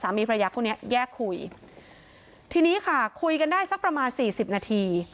พระยาพวกเนี้ยแยกคุยทีนี้ค่ะคุยกันได้สักประมาณสี่สิบนาที